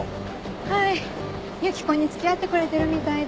はいユキコに付き合ってくれてるみたいで。